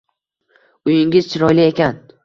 Uyingiz chiroyli ekan